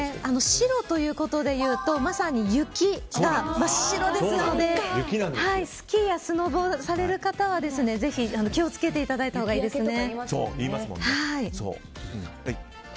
白ということで言うとまさに雪が真っ白ですのでスキーやスノボされる方はぜひ気を付けていただいたほうがいいですね。